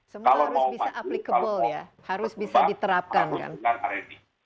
semua harus bisa applicable ya harus bisa diterapkan kan